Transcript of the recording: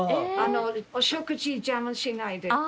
お食事邪魔しないで。